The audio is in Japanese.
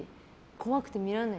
怖くて見られない。